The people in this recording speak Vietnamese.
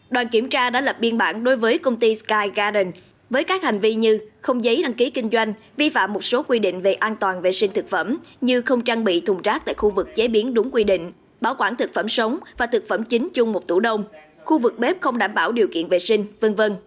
đoàn kiểm tra đã lập biên bản đối với công ty sky garden với các hành vi như không giấy đăng ký kinh doanh vi phạm một số quy định về an toàn vệ sinh thực phẩm như không trang bị thùng rác tại khu vực chế biến đúng quy định bảo quản thực phẩm sống và thực phẩm chính chung một tủ đông khu vực bếp không đảm bảo điều kiện vệ sinh v v